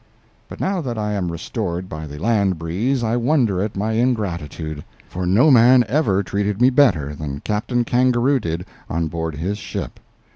But now that I am restored by the land breeze, I wonder at my ingratitude; for no man ever treated me better than Captain Kangaroo did on board his ship.